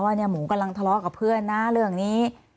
เนี่ยหมูกำลังทะเลาะกับเพื่อนนะเรื่องนี้